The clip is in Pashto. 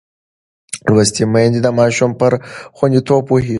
لوستې میندې د ماشوم پر خوندیتوب پوهېږي.